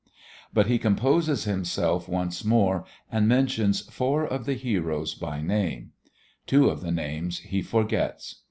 But he composes himself once more and mentions four of the heroes by name; two of the names he forgets.